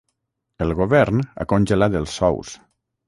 El govern ha congelat els sous.